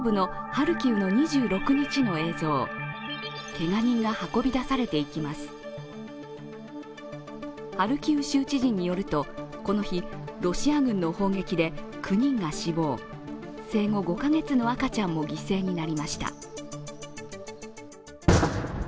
ハルキウ州知事によると、この日、ロシア軍の砲撃で９人が死亡、生後５カ月の赤ちゃんも犠牲になりました。